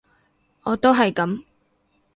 我都係噉